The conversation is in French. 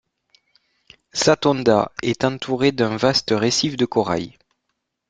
Satonda est entourée d'un vaste récif de corail.